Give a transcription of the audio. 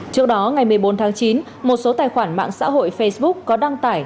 trước đó ngày một mươi bốn tháng chín một số tài khoản mạng xã hội facebook có đăng tải